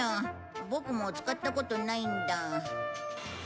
ボクも使ったことないんだ。